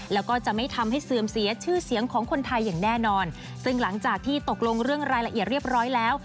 แล้วก็จะไม่ทำให้เสื่อมเสียชื่อเสียงของคนไทยอย่างแน่นอนซึ่งหลังจากที่ตกลงเรื่องรายละเอียดเรียบร้อยแล้ว